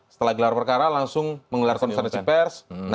setelah giliran perkara langsung mengularkan konsentrasi pers